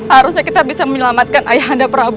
harusnya kita bisa menyelamatkan ayah anda prabowo